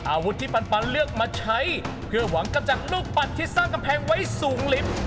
อาวุธที่ปันเลือกมาใช้เพื่อหวังกำจัดลูกปั่นที่สร้างกำแพงไว้สูงลิ้น